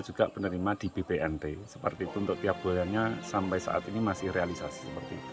juga penerima di bpnt seperti itu untuk tiap bulannya sampai saat ini masih realisasi seperti itu